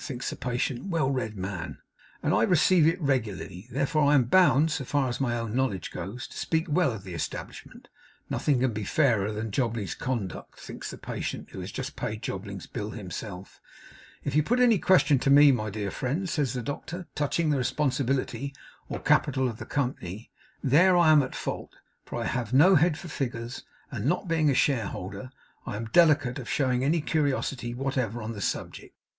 thinks the patient, 'well read man!') 'and I receive it regularly. Therefore I am bound, so far as my own knowledge goes, to speak well of the establishment.' ['Nothing can be fairer than Jobling's conduct,' thinks the patient, who has just paid Jobling's bill himself.) 'If you put any question to me, my dear friend,' says the doctor, 'touching the responsibility or capital of the company, there I am at fault; for I have no head for figures, and not being a shareholder, am delicate of showing any curiosity whatever on the subject.